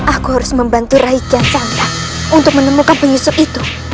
aku harus membantu rai kian sangra untuk menemukan penyusup itu